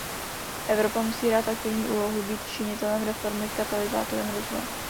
Evropa musí hrát aktivní úlohu, být činitelem reformy, katalyzátorem rozvoje.